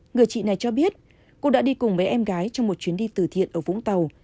người chị này cho biết cô đã đi cùng với em gái trong một chuyến đi từ thiện ở vũng tàu